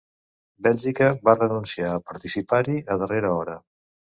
Bèlgica va renunciar a participar-hi a darrera hora.